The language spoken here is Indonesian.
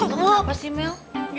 kenapa sih mel